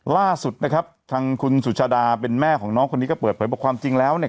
ล่าสุดนะครับทางคุณสุชาดาเป็นแม่ของน้องคนนี้ก็เปิดเผยบอกความจริงแล้วเนี่ย